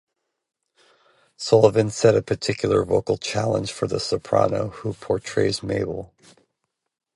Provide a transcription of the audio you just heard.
Sullivan set a particular vocal challenge for the soprano who portrays Mabel.